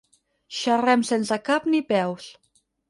Xerrem sense cap ni peus.